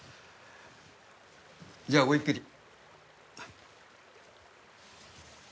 じゃあごゆっくり。